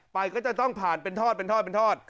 ก็จะต้องผ่านเป็นทอดเป็นทอดเป็นทอด